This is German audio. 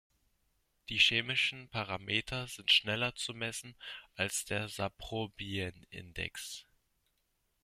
Die chemischen Parameter sind schneller zu messen als der Saprobienindex.